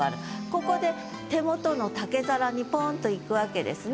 ここで手元の竹皿にポンといくわけですね。